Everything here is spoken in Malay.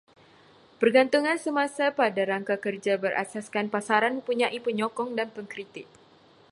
Pergantungan semasa pada rangka kerja berasaskan pasaran mempunyai penyokong dan pengkritik